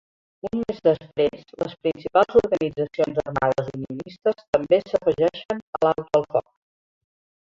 Un mes després, les principals organitzacions armades unionistes també s'afegeixen a l'alto el foc.